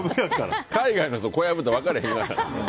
海外の人、小籔って分からへんがな。